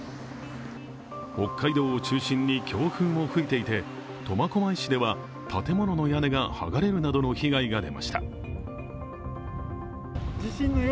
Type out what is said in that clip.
北海道を中心に強風も吹いていて、苫小牧市では建物の屋根が剥がれるなどの被害が出ました。